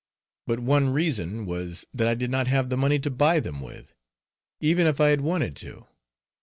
But one reason was, that I did not have the money to buy them with, even if I had wanted to.